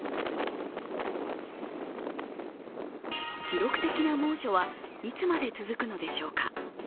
記録的な猛暑はいつまで続くのでしょうか。